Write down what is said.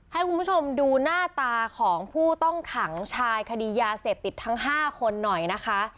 ให้คุณผู้ชมดูหน้าตาของผู้ต้องขังชายคดียาเสพติดทั้ง๕คนหน่อยนะคะ